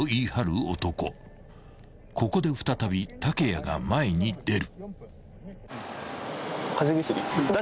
［ここで再び竹谷が前に出る］